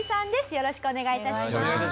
よろしくお願いします。